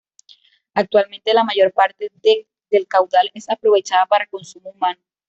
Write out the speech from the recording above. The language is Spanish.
Actualmente, la mayor parte del caudal es aprovechada para consumo humano.